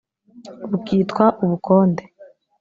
bukitwa ubukonde